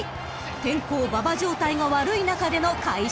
［天候・馬場状態が悪い中での快勝でした］